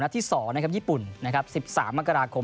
แล้วที่๒นะครับญี่ปุ่น๑๓มกราคม